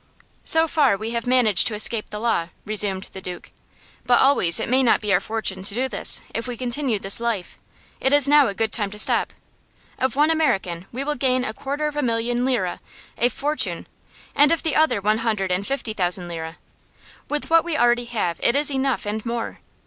"So far, we have managed to escape the law," resumed the Duke. "But always it may not be our fortune to do this, if we continue this life. It is now a good time to stop. Of one American we will gain a quarter of a million lira a fortune and of the other one hundred and fifty thousand lira. With what we already have it is enough and more.